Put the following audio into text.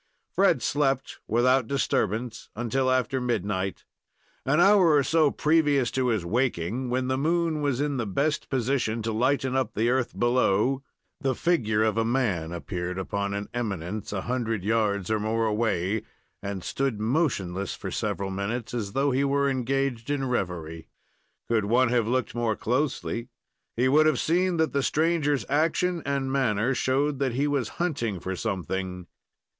Fred slept, without disturbance, until after midnight. An hour or so previous to his waking, when the moon was in the best position to lighten up the earth below, the figure of a man appeared upon an eminence, a hundred yards or more away, and stood motionless for several minutes, as though he were engaged in reverie. Could one have looked more closely, he would have seen that the stranger's action and manner showed that he was hunting for something.